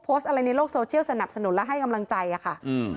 โพสต์อะไรในโลกโซเชียลสนับสนุนและให้กำลังใจอ่ะค่ะอืม